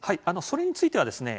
それについてはですね